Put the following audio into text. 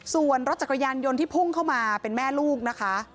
ส่วนรถจักรยานยนต์ที่พุ่งเข้ามาเป็นแม่ลูกนะคะ